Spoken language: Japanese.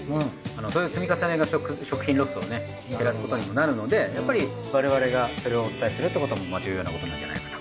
そういう積み重ねが食品ロスをね減らすことにもなるのでやっぱり我々がそれをお伝えするってことも重要なことなんじゃないかと。